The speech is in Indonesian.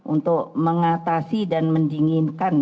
untuk mengatasi dan mendinginkan